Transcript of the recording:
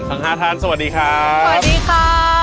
ทั้ง๕ท่านสวัสดีครับสวัสดีค่ะ